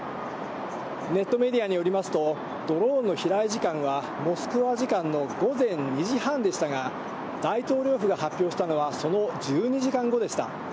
ネットメディアによりますと、ドローンの飛来時間はモスクワ時間の午前２時半でしたが、大統領府が発表したのはその１２時間後でした。